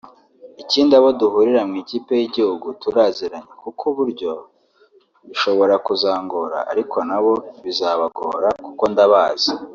Ikindi abo duhurira mu Ikipe y’Igihugu turaziranye kuko buryo bishobora kuzangora ariko nabo bizabagora kuko ndabazi